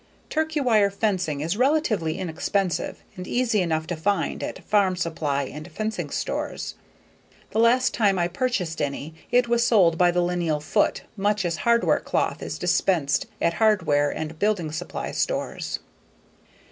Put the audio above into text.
Turkey wire fencing is relatively inexpensive and easy enough to find at farm supply and fencing stores. The last time I purchased any it was sold by the lineal foot much as hardware cloth is dispensed at hardware and building supply stores.